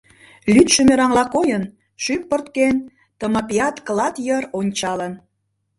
Лӱдшӧ мераҥла койын, шӱм пырткен, Тмапият клат йыр ончалын.